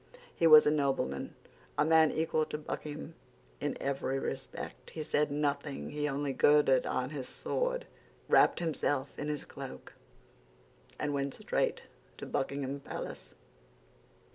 He was a nobleman, a man equal to Buckingham in every respect. He said nothing; he only girded on his sword, wrapped himself in his cloak, and went straight to Buckingham Palace.